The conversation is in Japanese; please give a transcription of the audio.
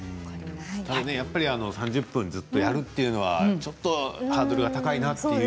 ただねやっぱり３０分ずっとやるというのはちょっとハードルが高いなっていう。